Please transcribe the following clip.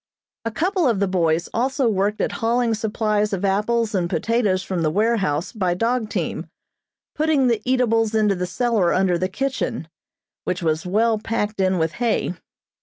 A couple of the boys also worked at hauling supplies of apples and potatoes from the warehouse by dog team, putting the eatables into the cellar under the kitchen, which was well packed in with hay.